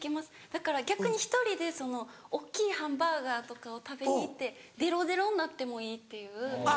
だから逆に１人で大っきいハンバーガーとかを食べに行ってでろでろになってもいいっていう。